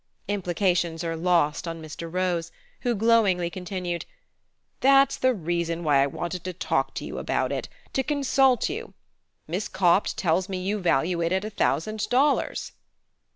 Implications are lost on Mr. Rose, who glowingly continued: "That's the reason why I wanted to talk to you about it to consult you. Miss Copt tells me you value it at a thousand dollars."